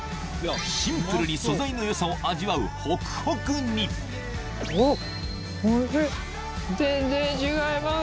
シンプルに素材の良さを味わうおっ。